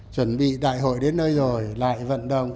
chuẩn bị đại hội đến nơi rồi lại vận động